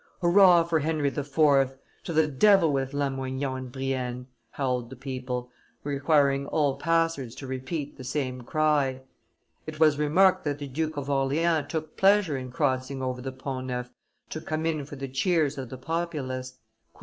"Hurrah for Henry IV.! To the devil with Lamoignon and Brienne!" howled the people, requiring all passers to repeat the same cry. It was remarked that the Duke of Orleans took pleasure in crossing over the Pont Neuf to come in for the cheers of the populace.